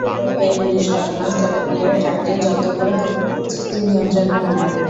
খবর পেয়ে পুলিশ ঘটনাস্থলে গিয়ে ট্রাকটি জব্দ করে পরিস্থিতি নিয়ন্ত্রণে আনে।